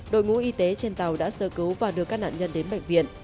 đội ngũ y tế trên tàu đã sơ cứu và đưa các nạn nhân đến bệnh viện